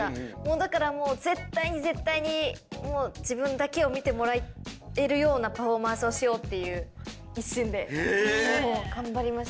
だからもう絶対に絶対に自分だけを見てもらえるようなパフォーマンスをしようっていう一心でもう頑張りました。